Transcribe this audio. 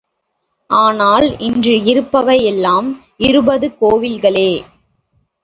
ஆனால், இன்று இருப்பவை எல்லாம் இருபது கோயில்களே.